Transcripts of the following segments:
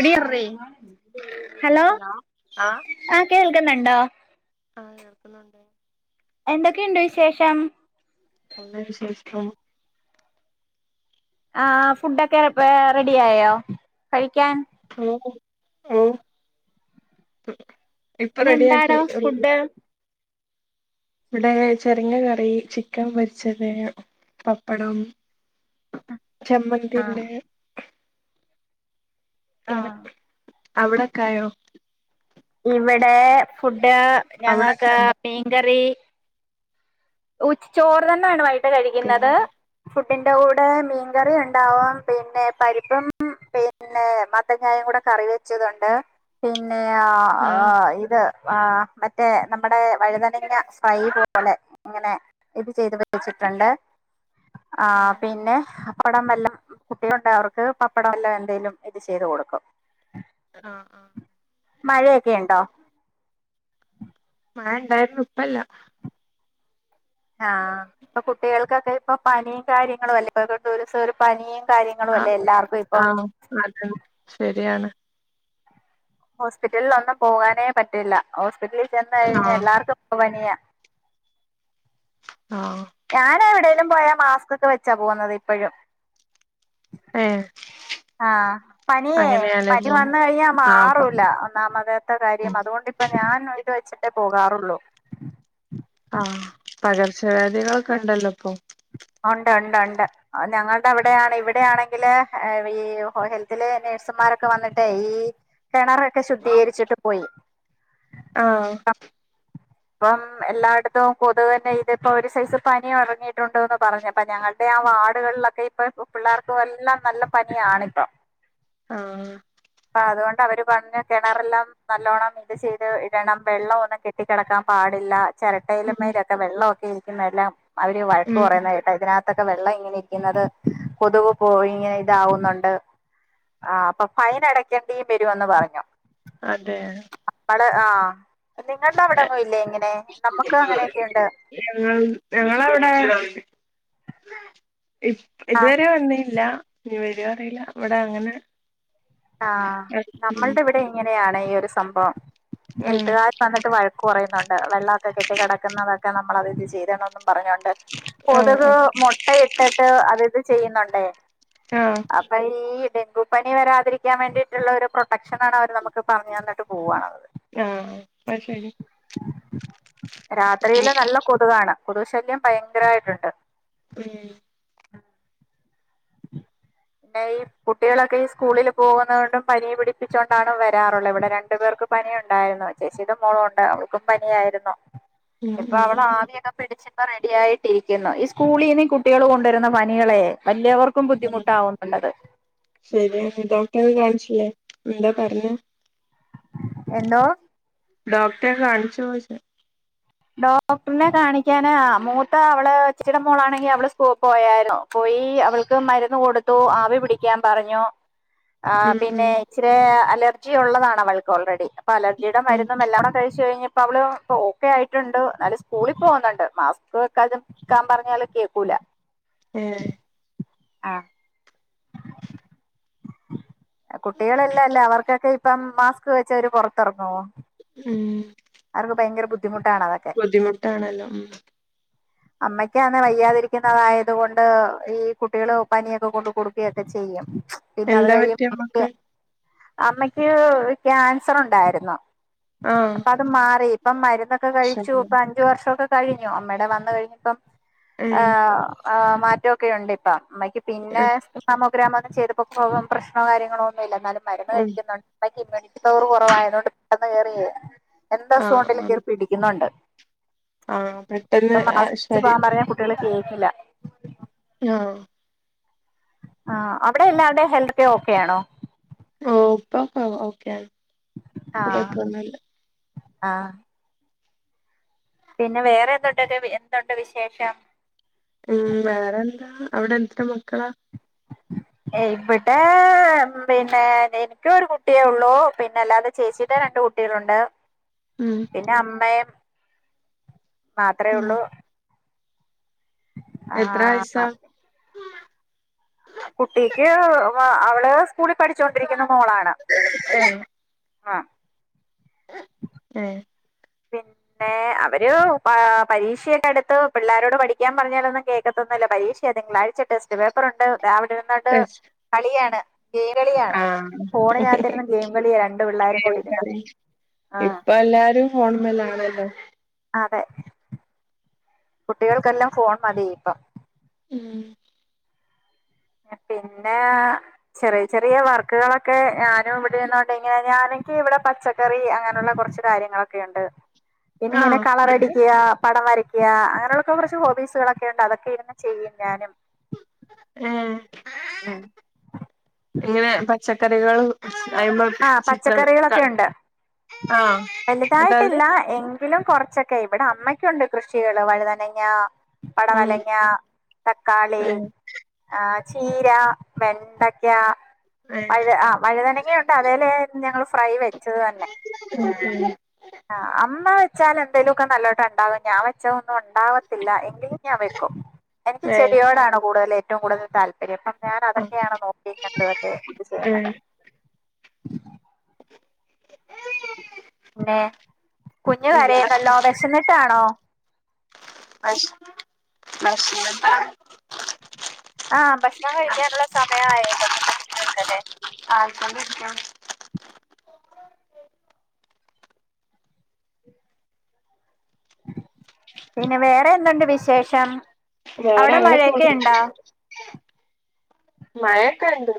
എടീ ആ റൈഹാനല്ലേ ഹലോ ആഹ് ആ കേൾക്കുന്നുണ്ടോ? ആഹ് കേൾക്കുന്നുണ്ട്. എന്തൊക്കെയുണ്ട് വിശേഷം? നല്ല വിശേഷം. ആഹ് ഫുഡൊക്കെ വേ റെഡ്യായോ കഴിക്കാൻ? ഓഹ് ഓഹ് ഇപ്പൊ ഇന്ന് എന്താണ് റെഡ്യാക്കി [unintelligible] ഫുഡ് ഇവടെ ചെർങ്ങ കറി, ചിക്കൻ പൊരിച്ചത്, പപ്പടം ആഹ് ചമ്മന്തിണ്ട് എ ആ [unintelligible] അവിടക്ക ആയോ ഇവിടെ ഫുഡ് ഞങ്ങൾക്ക് അവിടൊക്കായോ മീൻകറി ഉച് ച്ചോറ് തന്നെയാണ് വൈകിട് പിന്നെ കഴിക്കുന്നത് ഫുഡിന്റെ കൂടെ മീൻകറി ഉണ്ടാവും പിന്നെ പരിപ്പും പിന്നെ മത്തങ്ങായം കൂടെ കറി വെച്ചതുണ്ട് പിന്നെ ആ ആഹ് ഇത് ആ മറ്റേ നമ്മുടെ വഴുതനങ്ങ ഫ്രൈ പോലെ ഇങ്ങനെ ഇത് ചെയ്ത് വച്ചിട്ടുണ്ട് ആ ആഹ് പിന്നെ അപ്പടം വെല്ലം കുട്ടിക കൊണ്ട അവർക്ക് പപ്പടം എല്ലാം എന്തെങ്കലും ഇത് ചെയ്ത് കൊടുക്കും ആഹ് ആഹ് മഴയൊക്കെ ഉണ്ടോ മഴ ഇണ്ടായിരുന്നു ഇപ്പല്ല ആഹ് ഇപ്പൊ കുട്ടികൾക്കൊക്കെ ഇപ്പൊ പനിയും കാര്യങ്ങളും അല്ലേ ഇപ്പൊ ഒരു പനിയും കാര്യങ്ങളും അല്ലേ ആഹ് എല്ലാവർക്കും ഇപ്പൊ ആഹ് അതെ ശരിയാണ് ഹോസ്പിറ്റലിൽ ഒന്നും പോകാനേ പറ്റില്ല ഹോസ്പിറ്റലിൽ ചെന്ന് കഴിഞ്ഞാൽ ആഹ് എല്ലാർക്കും പനിയ ആഹ് ഞാന് എവിടെലും പോയാ മാസ്ക് ഒക്കെ വെച്ചാ പോകുന്നത് ഇപ്പഴും ഏഹ് ആഹ് പനിയേ അങ്ങനെയാലേ പനി പോണ് വന്ന് കഴിഞ്ഞാ ആഹ് പ മാറൂല്ല ഒന്നാമതത്തെ കാര്യം അതോണ്ട് പ്പ ഞാൻ [unintelligible] ത് വെച്ചിട്ടേ പോകാറുള്ളൂ ആഹ് പകർച്ചവ്യാധികളൊക്കെ ണ്ടല്ലോ പ്പൊ ഉണ്ട് ണ്ട് ണ്ട് ഞങ്ങൾടെ അവടാണേ ഇവിടാണെങ്കില് വീ ഹെൽത്തിലെ നേഴ്സുമാരൊക്കെ വന്നിട്ടേ ഈ കെണറൊക്കെ ശുദ്ധീകര്ച്ട്ട് പോയി ആഹ് പ്പം എല്ലാടത്തും പൊതുവന്നെ ഇതിപ്പോ രു സൈസ് പനിയറങ്ങിയിട്ടുണ്ടോന്ന് പറഞ്ഞ പ്പ ഞങ്ങൾടെ ആ വാഡ്കൾലൊക്കെ ഇപ്പ പിള്ളാർക്കുവെല്ലാം നല്ല പനിയാണ് ഇപ്പ ആഹ് പ്പത്കൊണ്ടവര് പറഞ്ഞ കെണറെല്ലാം നല്ലോണം ത് ചെയ്ത് ഇടണം വെള്ളോന്നും കെട്ടി കെടക്കാ പാടില്ല ചിരട്ടയിലു ഉം മേ വെള്ളോക്കെ ഇരിക്കുന്നെല്ലാം അവര് വഴക്ക് ഉം പറയ തിനാത്തൊക്കെ വെള്ളം ഇങ്ങിനിരിക്കുന്നത് കൊതുവ് പോ ഇങ്ങനെ താവുന്നുണ്ട് ആ പ്പ ഫൈനടക്കണ്ടീം വരു എന്ന് പറഞ്ഞു അതെ നമ്മള് ആ നിങ്ങൾടെ അവടെ ഒന്നു ല്ലേ ഇങ്ങനെ നമ്മക്ക് അങ്ങനെയൊക്കിണ്ട് ആം ഞങ്ങളവടെ ഇ ആഹ് ഇതുവരെ വന്നില്ല ഇനി വെരോ അറിയില്ല വടെ അങ്ങനെ ആഹ് ഉം നമ്മൾട വടെ ഇങ്ങനെയാണീ ഒരു സംഭവം ഉം ഹെൽത്തുകര് വന്നട്ട് വഴക്കുവറയുന്നുണ്ട് വെള്ളോക്കെട്ടികടക്കുന്നതൊക്കെ നമ്മളത് ത് ചെയ്തനൊന്നും പറഞ്ഞോണ്ട് ആഹ് കൊതുക് ആഹ് മൊട്ടയിട്ടട്ട് അതിത് ചെയ്യുന്നോണ്ടേ ആഹ് അപ്പ ഈ ഡെങ്കു പനി വരാതിരി ക്കാ വേണ്ടീട്ട്ള്ള രു പ്രൊട്ടക്ഷനാണവര് നമക്ക് പറഞ്ഞന്നിട്ട് പോവാണവര് ആഹ് അയ് ശരി രാത്രിയില് നല്ല കൊതുകാണ് കൊത്ക് ശല്യം ഭയങ്കരായ്ട്ട്ണ്ട് ഉം ന്നെ ഈ കുട്ടികളൊക്കീ സ്കൂളില് പോകുന്നതോണ്ടും പനീം പിടിപ്പിച്ചോണ്ടണ് വര് രാറുള്ളെ വടെ രണ്ട് പേർക്ക് പനിയുണ്ടായിര്ന്നു ചേച്ചിയുടെ മോളൂണ്ട് അവൾക്കും പനിയായ്രുന്നു ഉം ഉം ഇപ്പവളാവിയൊക്കെ പിടിച്ച് പ്പ റെഡിയായിട്ടിരിക്കുന്നു ഈ സ്കൂളീന്ന് കുട്ടികള് കൊണ്ടുവരുന്ന പനികളെ വല്യവർക് ക്കും ബുദ്ധിമുട്ടാവുന്നുണ്ടത് ശരിയാണ് ഡോക്ടറെ ഒക്കെ കാണിച്ചില്ലേ എന്താ പറഞ്ഞെ എന്തോ ഡോക്ടറെ കാണിചോയ്ച്ച ഡോക്ടർനെ കാണിക്കാന് മൂത്ത അവള് ചേച്ചിടെ മോളാണെങ്കി അവള് സ്കൂ പോയാരുന്നു പോയി അവൾക്ക് മരുന്ന് കൊടുത്തു ആവി പിടിക്കാൻ പറഞ്ഞു ആഹ് ഉം പിന്നെ ഉം ഇച്ചിരെ അലർജി ഉള്ളതാണവൾക്ക് ഓൾറെഡി അപ്പലർജിയുടെ ഉം മരുന്നെല്ലാകൂ കഴ്ചയ്ഞ്ഞപ്പവള് പ്പൊഓക്കെ ആയ് ട്ട്ണ്ട് ന്നാലു സ്കൂളി പോന്ന്ണ്ട് മാസ്ക്ക് വെക്കാൻ ചിലപ്പോ പറഞ്ഞാല് കേക്കൂല ഏഹ് ആഹ് കുട്ടികളല്ലല്ലേ അവർക്കൊക്കിപ്പം മാസ്ക് വെച്ചവര് പൊറത്തറങ്‌വോ ഉം അവർക്ക് ഭയങ്കര ബുദ്ധമുട്ടാണത് ബുദ്ധിമുട്ടാണല്ലോ ഉം [inaudible] അമ്മയ്ക്കാന്നെ വയ്യാതിരിക്കുന്നതായത് കൊണ്ട് ഈ കുട്ടികള് പനിയൊക്കെ കൊണ്ട് കൊടുക്കുകയൊക്കെ ചെയ്യും പിന്ന അത് എന്താ പറ്റിയെ കഴിയുമ്പക്ക് അമ്മക്ക് അമ്മക്ക് ക്യാൻസർ ഉണ്ടായിരുന്നു ആഹ് പ്പം അത് മാറി ഇപ്പം മരുന്നൊക്കെ കഴിച്ചു ശരി ഇപ്പ അഞ്ചു വർഷംക്കെ കഴിഞ്ഞു അമ്മടെ വന്ന കഴിഞ്ഞ ഇപ്പം ഉം ആഹ് ആഹ് മാറ്റക്കെയുണ്ട് ഇപ്പം അമ്മയ്ക്ക് പിന്നെ ഉം അമോ ഗ്രാമൊന്നും ചെയ്തപ്പോ പ്രശ്നോ കാര്യങ്ങളോ ഒന്നും ഇല്ല എന്നാലും മരുന്ന് ഉം കഴിക്കുന്നുണ്ട് ഇമ്മ്യൂണിറ്റി പവർ കുറവായത് കൊണ്ട് പെട്ടന്ന് കേറി എന്തസുഖം ആഹ് ഉണ്ടേലും കേറി പിടിക്കുന്നുണ്ട് ആഹ് പെട്ടെന്ന് ആഹ് ശരി കുട്ടിയോള് കേൾക്കില്ല ആഹ് ആഹ് അവിടെ എല്ലാവരുടെ ഹെൽത്ത് ഓക്കെയാണോ ഓഹ് ഇപ്പപ്പം ഓക്കെയി ആഹ് ആഹ് പിന്നെ വേറെന്തൂട്ടെക്കെ എന്തുണ്ട് വിശേഷം ഉം വേറെന്താ അവിടെ എത്ര മക്കളാ [inaudible] ഇവിടേ പിന്നെ എനിക്ക് ഒരു കുട്ടിയേ ഉള്ളൂ പിന്നെ അല്ലാതെ ചേച്ചീടെ രണ്ട് കുട്ടി ട്ടികളുണ്ട് ഉം പിന്നെ അമ്മയും മാത്ര ഉം ഉള്ളൂ ആ എത്ര വയസ്സാ കുട്ടിക്ക് അവള് സ്കൂളിൽ പഠിച്ചോണ്ടിരിക്കുന്ന മോളാണ് ഏഹ് ആഹ് ഏഹ് പിന്നെ അവര് പരീക്ഷയൊക്കെ അടുത്ത് പിള്ളാരോട് പഠിക്കാൻ പറഞ്ഞാലന്നും കേ ക്കത്തൊന്നില്ല പരീക്ഷയ നിങ്ങളാഴ്ച ടെസ്റ്റ് പേപ്പറുണ്ട് അതാവിടെരുന്നൊണ്ട് ടെസ്റ്റ് കളിയാണ് കേരളിയാണ് ആഹ് ഫോണ്നകത്തിരുന്ന് ഗെയിം കളിയ രണ്ട് പിള്ളോരും ഗെയിം കൂടി ഇരുന്ന് കളി ആ ഇപ്പൊ എല്ലാരും ഹോൺമലാണല്ലോ അതെ കുട്ടികൾക്കെല്ലാം ഫോൺ മതി ഇപ്പം ഉം പിന്നെ ചെറിയ ചെറിയ വർക്കുകളൊക്കെ ഞാനും ഇവിടെ ഇരുന്നോണ്ട് ഇങ്ങനെ ഞാനൊക്ക ഇവിടെ പച്ചകറി [unintelligible] അങ്ങനെള്ള കൊർച്ച് കാര്യങ്ങളൊക്കെ ഉണ്ട്. പിന്നി ഇങ്ങനെ ആഹ് എന്നിട്ട് കളറടിക്ക്ക പടം വര യ്ക്ക്, അങ്ങനെയുള്ളൊക്കെ കൊറച്ച് ഹോബീസ്ളൊക്കെ ഇണ്ട് അതൊക്കെ ഇരുന്ന് ചെയ്യും ഞാനും ഏഹ്, ഉം ഇങ്ങനെ പച്ചക്കറികളും അയ്മ ആഹ് ചിത്ര ത പച്ചക്കറികളൊക്കെ ഉണ്ട് ആഹ്, ഇങ്ങട്ട് അത് ങ്കിലും കൊർച്ചൊക്കെ ഇവിടെ അമ്മയ്ക്കുണ്ട് കൃഷികള് വഴുതനങ്ങ ഉം പടവലങ്ങ, തക്കാളി ഏഹ് ആഹ് ചീര, വെണ്ടക്ക, ഏഹ് വഴ്ത ആ വഴ്തനങ്ങയു ഇന്ന് അതെലെ ഞങ്ങള് ഫ്രൈ വെച്ചത് തന്നെ. [unintelligible] ആ അമ്മ വെച്ചാല് എന്തേലൊക്കെ നല്ലോട്ട ഇണ്ടാവും. ഞാൻ വെ ച്ച ഒന്നു ഉണ്ടാവത്തില്ല. എങ്കിലും ഞാൻ വെക്കും. എനിക്ക് ഏഹ് ചെടിയോടാണ് കൂടുതല് ഏറ്റവും കൂടുതല് താല്പര്യം ഇപ്പം ഞാന് അതന്നെയാണ് നോക്കിയും കണ്ട് ഒക്കെ ഇത് ആഹ് ചെയ്യ്ണത്. പിന്നെ, കുഞ്ഞു കരയുന്നല്ലോ വെശന്നിട്ടാണോ? അയ്ശ് വെശന്നിട്ടാണ് ആ ഭക്ഷണം കഴിക്കാനുള്ള സമയ ആയല്ലോന്റെ ഫുഡ്‌ കുട്ടികൾക്കല്ലേ ആ ഇപ്പം വെയ്ക്കും. പിന്നെ, വേറെ എന്തുണ്ട് വിശേഷം അവിടെ മഴയൊക്കെ ഇണ്ടോ? മഴക്കെ ഇണ്ട്.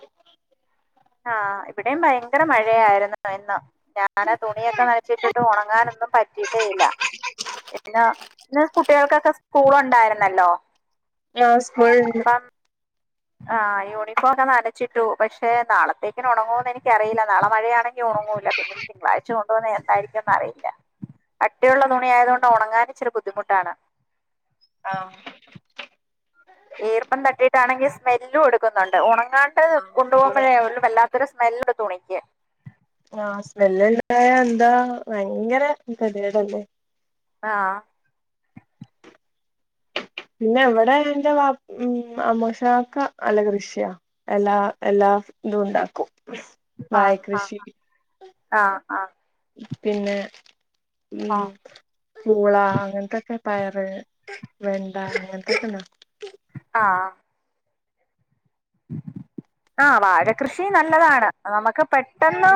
ആഹ്, ഇവിടേം ഭയങ്കര മഴയായിര്ന്നു ഇന്ന്. ഞാന ആ തുണിയൊക്കെ നനച്ചിട്ടിട്ട് ഒണങ്ങാനൊന്നും പറ്റീട്ടേ ഇല്ല. എന്തിനാ, ഇന്ന് കുട്ടിയൾക്കൊക്കെ സ്കൂള് ഉണ്ടായിരുന്നല്ലോ. ആഹ് സ്കൂള്ണ്ട്. അപ്പം ആഹ്, യൂണിഫോം ഇതാ നനച്ചിട്ടു. പക്ഷെ നാളത്തേക്ക്ന് ഒണങ്ങോന്ന് എനിക്കറീല. നാളെ മഴയാണെങ്കി ഒണങ്ങൂല, പിന്നെ തിങ്കളാഴ്ച കൊണ്ടുവന്ന എന്നാ യിരിക്കുന്ന് അറിയില്ല. കട്ടിയുള്ള തുണിയായതുകൊണ്ട് ഒണങ്ങാന്ച്ചിരി ബുദ്ധിമുട്ടാണ്. ആഹ് ഈർപ്പം തട്ടിയിട്ടാണെങ്കി സ്മെല്ലും എടുക്കുന്നുണ്ട്, ഉണങ്ങാണ്ട് കൊണ്ടുപോകുമ്പോഴേ വല്ലാ ത്തര് സ്മെല്ല്തുണിക്ക്. ആഹ്, സ്മെല്ല് ഇണ്ടായ എന്താ ഭയങ്കര കെതീടല്ലേ. ആഹ് പിന്നെ, ഇവിടെ എൻ്റെ വാപ് മ് അമോശംകാക്ക നല്ല കൃഷിയാ. എല്ലാ എല്ലാതും ഇണ്ടാക്കും. ആഹ് ആഹ് ആഹ് ആഹ്. പിന്നെ ഉം. ആഹ് പൂളാ അങ്ങൻത്തൊക്കെ പയറ്, വെണ്ട അങ്ങൻത്തൊക്കെണ്ടാകും. ആഹ് ആഹ്, വാഴ കൃഷി നല്ലതാണ്. നമക്ക് പെട്ടെന്ന്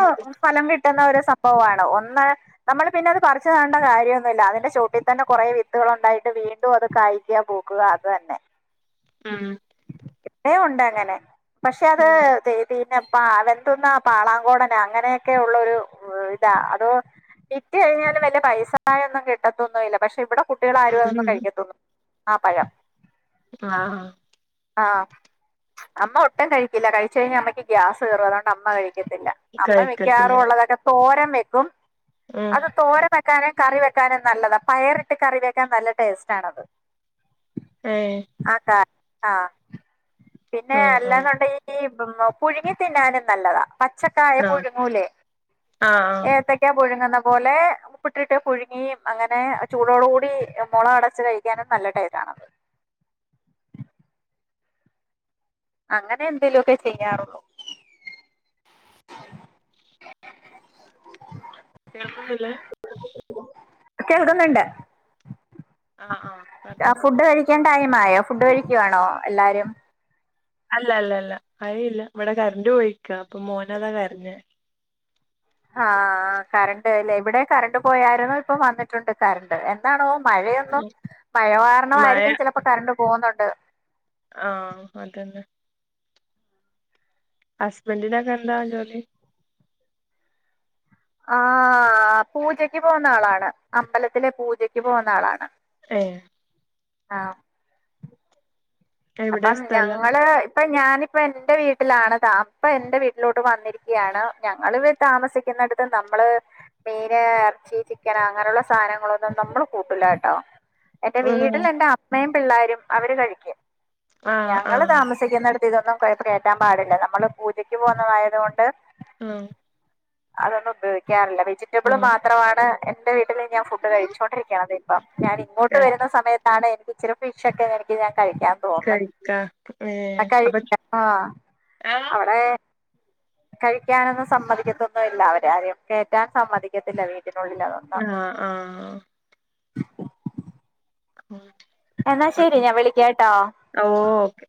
ഫലം കിട്ട്ന്ന ഒരു സംഭവവാണ് ഒന്ന് നമ്മള് പിന്നെ അത് പറിച്ച് നടണ്ട കാര്യൊന്നുല്ല. അതിന്റെ ചോട്ടിൽ തന്നെ കൊറേ വിത്തുകളുണ്ടായിട്ട് വീണ്ടും അത് കാഴ് ക്ക് പൂക്കുക അതെന്നെ. ഉം. ഇപ്പഴു ഉണ്ടങ്ങനെ, പക്ഷെ അത് ഉം വേ പിന്നെ പ വെന്തുന്നാ പാളാങ്കോടന് അങ്ങനെയൊക്കെ ഉള്ള ഒരു ഇതാ അതോ വിറ്റ് കഴിഞ്ഞാലും വല്ല്യ പൈസായൊന്നും കിട്ടത്തൊന്നുല്ല. പക്ഷെ ഇവടെ കുട്ടിയളാരും അതൊന്നും ഉം കഴിക്കത്തൊന്നു ആ പഴം. ആഹ് ആഹ് അമ്മ ഒട്ടും കഴിക്കില്ല, കഴിച്ച്കഴിഞ്ഞ അമ്മയ്ക്ക് ഗ്യാസ് കേറും അതോണ്ട് അമ്മ കഴിക്കത്തില്ല. അമ്മ കഴിക്കത്തില്ല മിക്കവാറും ഉള്ളതൊക്കെ തോരം വെക്കും. ഉം അത് തോരൻ വെക്കാനെ കറി വെക്കാനും നല്ലതാ, പയറിട്ട് കറി വെക്കാൻ നല്ല ടേസ്റ്റാണത്. ഏഹ് അതാ ആഹ് പിന്നെ ഉം ഉം അല്ലാന്നുണ്ടെങ്കി പ് പുഴുങ്ങി തിന്നാനും നല്ലതാ. പച്ചക്കായ ആ പുഴുങ്ങൂലേ, ആ ആ ഏത്തക്ക പുഴുങ്ങുന്ന പോലെ. ഉപ്പിട്ടിട്ട് പുഴുങ്ങി അങ്ങനെ അ ചൂടോടു കൂടി മുള അടച്ചു കഴിക്കാനും നല്ലടെ ടേണത്. അങ്ങനെ എന്തെലൊക്കെ ചെയ്യാറുള്ളൂ. കേൾക്കുന്നില്ലേ? കേൾക്കുന്നുണ്ട്, ആ ആ ആ പറഞ്ഞോ ഫുഡ് കഴി കയിക്കാ ടൈമായോ, ഫുഡ് കഴിക്കുവാണോ എല്ലാരും? അല്ലല്ലല്ല മഴയില്ല, ഇവിടെ കറണ്ട് പോയാര്ക്കാണ്. അപ്പൊ മോന്അതാ കരഞ്ഞ്. ആഹ് കറണ്ട് ലേഇവിടെ കറണ്ട് പോയാര്ന്ന്, ഇപ്പംവന്നിട്ടുണ്ട് കറണ്ട്. എന്താണോ മഴയൊന്നും ഉം, മഴ മഴ കാരണമായിയിരിക്കും ചിലപ്പോ കറണ്ട് പോകുന്നുണ്ട്. ആഹ് അതന്നെ ഹസ്ബന്ഡിനെക്കെന്താ ജോലി? ആ പൂജക്ക് പോകുന്ന ആളാണ്, അമ്പലത്തില പൂജക്ക് പോകുന്ന ആളാണ്. ഏഹാ ആഹ് എവിടെ അപ്പം സ്ഥലം ഞങ്ങള് അപ്പ ഞാനിപ്പ എന്റെ വീട്ടിലാണ്ത് അപ്പ എൻന്റെ വീട്ടിലോട്ട് വന്നിരിക്കുകയാണ് ഞങ്ങ താമസിക്കുന്നിടത്ത് നമ്മള് മീന് ഇറച്ചി ചിക്കൻ അങ്ങനെയുള്ള സാധനങ്ങളൊന്നും നമ്മള് കൂട്ടലാട്ടോ എന്റെ ഉം വീട്ടിൽ എന്റെ അമ്മയും പിള്ളോരും അവര് കഴിക്കും ആ ആ ഞങ്ങള് താമസിക്കുന്ന അടുത്ത് ഇതൊന്നും കേയറ്റാൻ പാടില്ല നമ്മള് പൂജയ്ക്ക് പോകുന്നതായത് കൊണ്ട് ഉം അതൊന്നും ഉയോഗിക്കാറില്ല വെജി ബൾ ഉം മാത്രമാണ് എന്റെ വീട്ടിൽ ഞാൻ ഫുഡ് കഴിച്ചുകോണ്ടിരിക്കണുന്നത് ഇപ്പം ഞാൻ ഇങ്ങോട്ട് ക- വരുന്ന സമയത്ത് ആണ് എനിക്ക് ഇിരി ഫിഷ്ഒക്കെ എനിക്ക് ാൻ കഴിക്കാ കഴിക്കാ ഏ കഴ അപ്പൊ ആ ആ അവിടെ കഴിക്കാനൊന്നും സമ്മതിക്കത്തൊന്നുമില്ല അവരാരും കേയറ്റാൻ സമ്മതിക്കത്തില്ല വീട്ടിനുള്ളിലന്നും ആഹ ആഹ ഉഓ എന്നാ ശരി ഞാൻ വിളിക്കാം കേട്ടോ ഓ ഓക്കേ